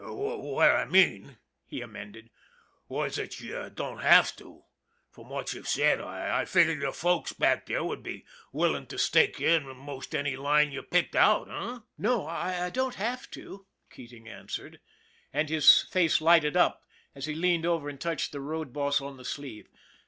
" What I meant," he amended, " was that you don't have to. From what you've said, I figur' your folks back there would be willin' to stake you in most any line you picked out, h'm ?"" No, I don't have to," Keating answered, and his face lighted up as he leaned over and touched the road boss on the sleeve.